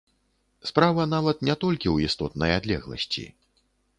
Справа нават не толькі ў істотнай адлегласці.